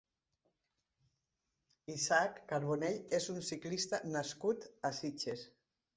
Isaac Carbonell és un ciclista nascut a Sitges.